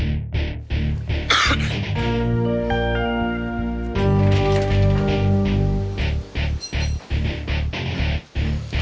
kalian harus memastikan